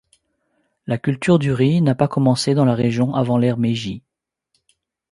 La culture du riz n'a pas commencé dans la région avant l'Ere Meiji.